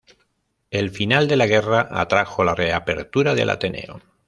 El final de la guerra trajo la reapertura del Ateneo.